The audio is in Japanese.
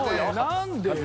何でよ。